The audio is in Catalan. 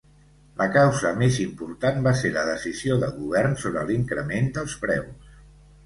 La causa més important va ser la decisió de govern sobre l'increment dels preus.